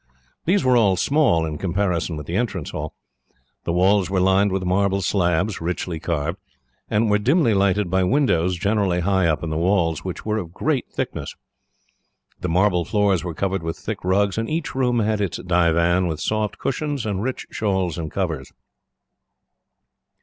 These were all small, in comparison with the entrance hall. The walls were lined with marble slabs, richly carved, and were dimly lighted by windows, generally high up in the walls, which were of great thickness. The marble floors were covered with thick rugs, and each room had its divan, with soft cushions and rich shawls and covers.